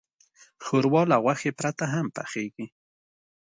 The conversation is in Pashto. ښوروا له غوښې پرته هم پخیږي.